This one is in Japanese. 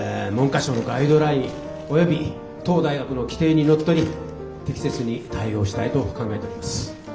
文科省のガイドライン及び当大学の規程にのっとり適切に対応したいと考えております。